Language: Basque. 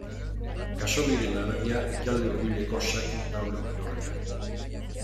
Khaxoggiren haragia Ekialde Hurbileko xake taula bihurrian.